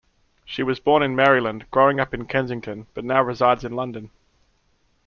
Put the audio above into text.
She was born in Maryland, growing up in Kensington, but now resides in London.